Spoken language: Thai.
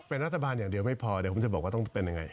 เป็นรัฐบาลอย่างเดียวไม่พอเดี๋ยวผมจะบอกว่าต้องเป็นยังไง